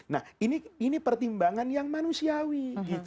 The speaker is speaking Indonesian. nah ini pertimbangan yang manusiawi